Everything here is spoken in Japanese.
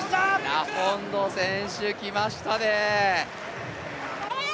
ラフォンド選手来ましたね。